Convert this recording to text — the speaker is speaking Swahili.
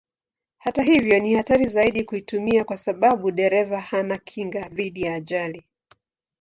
Hata hivyo ni hatari zaidi kuitumia kwa sababu dereva hana kinga dhidi ya ajali.